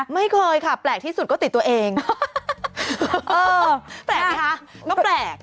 ไม่เคยค่ะแปลกที่สุดก็ติดตัวเองเออแปลกไหมคะก็แปลก